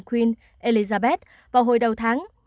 queen elizabeth vào hồi đầu tháng